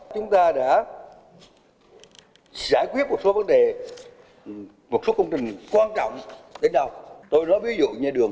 chúng ta đã giải quyết một số vấn đề một số công trình quan trọng đến đâu tôi nói ví dụ như đường